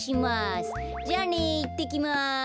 じゃあねいってきます。